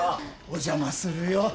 お邪魔するよ。